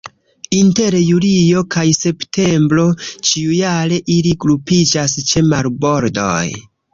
Inter julio kaj septembro ĉiujare ili grupiĝas ĉe marbordoj.